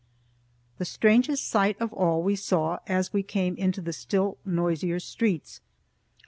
The strangest sight of all we saw as we came into the still noisier streets.